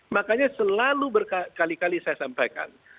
makanya selalu berkali kali saya sampaikan